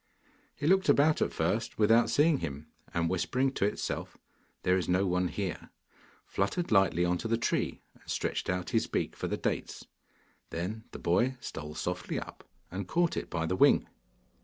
It looked about at first without seeing him, and whispering to itself, 'There is no one here,' fluttered lightly on to the tree and stretched out his beak for the dates. Then the boy stole softly up, and caught it by the wing.